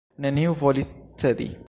Neniu volis cedi.